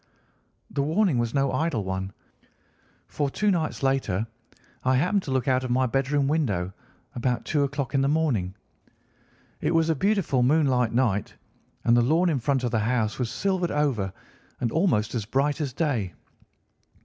"The warning was no idle one, for two nights later I happened to look out of my bedroom window about two o'clock in the morning. It was a beautiful moonlight night, and the lawn in front of the house was silvered over and almost as bright as day.